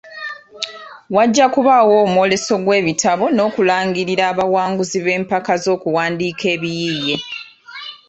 Wajja kubaawo omwoleso gw’ebitabo n’okulangirira abawanguzi b’empaka z’okuwandiika ebiyiiye.